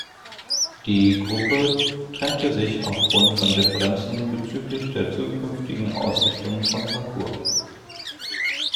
Die Gruppe trennte sich aufgrund von Differenzen bezüglich der zukünftigen Ausrichtung von Parkour.